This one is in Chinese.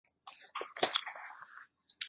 少花溲疏为虎耳草科溲疏属下的一个变种。